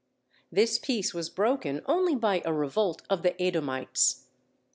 This peace was broken only by a revolt of the Edomites.